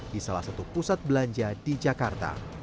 di salah satu pusat belanja di jakarta